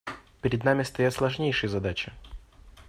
Перед нами стоят сложнейшие задачи.